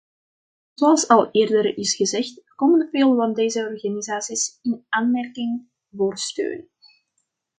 Zoals al eerder is gezegd, komen veel van deze organisaties in aanmerking voor steun.